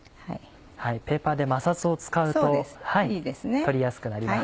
ペーパーで摩擦を使うと取りやすくなります。